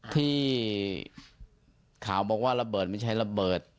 ที่ข่าวบอกว่าระเบิดไม่ใช่ระเบิด